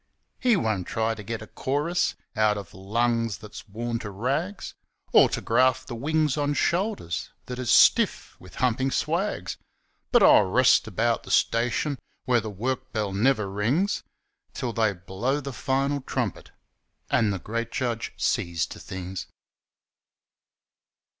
He won't try to get a chorus Out of lungs that's worn to rags, Or to graft the wings on shoulders That is stiff with humpin' swags. But I'll rest about the station Where the work bell never rings, Till they blow the final trumpet And the Great Judge sees to things.